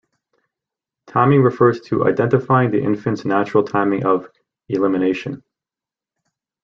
Timing refers to identifying the infant's natural timing of elimination.